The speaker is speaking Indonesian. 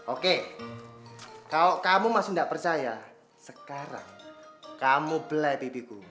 oke kalo kamu masih gak percaya sekarang kamu belai pipiku